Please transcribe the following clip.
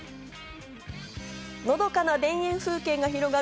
のどかな田園風景が広がる